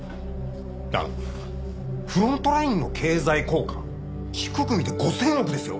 いやフロントラインの経済効果低く見て５０００億ですよ。